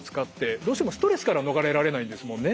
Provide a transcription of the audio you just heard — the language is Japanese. どうしてもストレスから逃れられないんですもんね